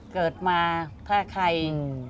เกิดมาถ้าใคร